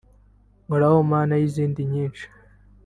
Nkoraho Mana n’izindi nyinshi